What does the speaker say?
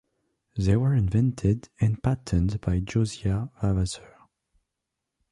They were invented and patented by Josiah Vavasseur.